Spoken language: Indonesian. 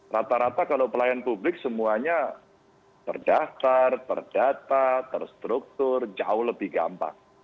rata rata kalau pelayan publik semuanya terdaftar terdata terstruktur jauh lebih gampang